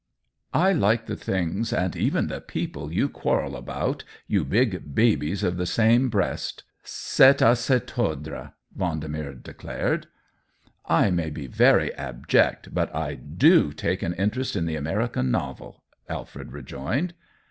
" I like the things and even the people you quarrel about, you big babies of the same breast. Cest i se tonireP Vendemer declared. " I may be very abject, but I do take an interest in the American novel," Alfred rejoined.